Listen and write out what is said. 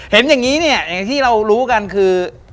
เห็นอย่างนี้เนี่ยอย่างที่เรารู้กันคือ